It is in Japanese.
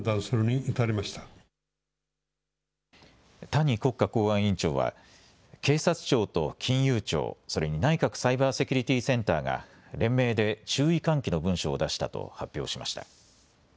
谷国家公安委員長は警察庁と金融庁、それに内閣サイバーセキュリティセンターが連名で注意喚起の文書を出したと発表しました。